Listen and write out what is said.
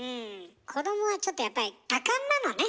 子どもはちょっとやっぱり多感なのね。